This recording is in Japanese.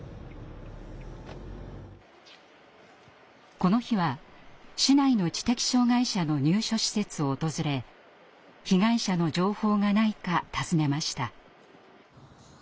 この日は市内の知的障害者の入所施設を訪れ被害者の情報がないかたずねました。